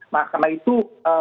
nah karena itu